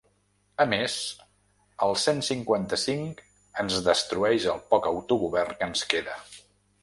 A més, el cent cinquanta-cinc ens destrueix el poc autogovern que ens queda.